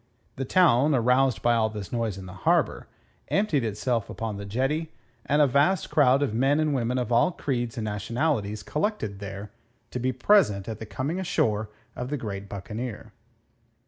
The town, aroused by all this noise in the harbour, emptied itself upon the jetty, and a vast crowd of men and women of all creeds and nationalities collected there to be present at the coming ashore of the great buccaneer.